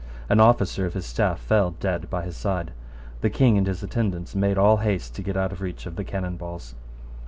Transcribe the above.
An officer of his staff fell dead by his side. The King and his attendants made all haste to get out of reach of the cannon balls.